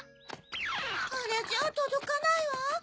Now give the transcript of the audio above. あれじゃとどかないわ。